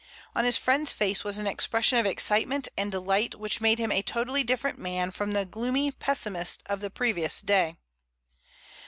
On his friend's face was an expression of excitement and delight which made him a totally different man from the gloomy pessimist of the previous day.